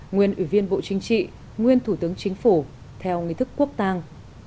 nguyên ủy viên bộ chính trị nguyên thủ tướng chính phủ theo nghi thức quốc tàng